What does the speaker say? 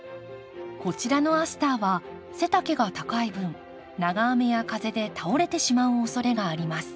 こちらのアスターは背丈が高い分長雨や風で倒れてしまうおそれがあります。